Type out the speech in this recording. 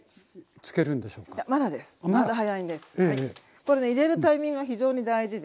これね入れるタイミングが非常に大事で。